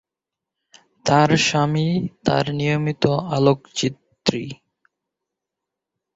তার স্বামী তার নিয়মিত আলোকচিত্রী।